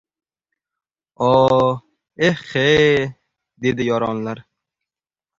— O-o-o! Eh-ye-ye! — dedi yoronlar.